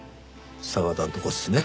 澤田のとこですね。